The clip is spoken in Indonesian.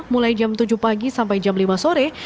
mulai jam tujuh pagi sampai jam lima sore